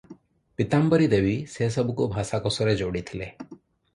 ପୀତାମ୍ବରୀ ଦେବୀ ସେସବୁକୁ ଭାଷାକୋଷରେ ଯୋଡ଼ିଥିଲେ ।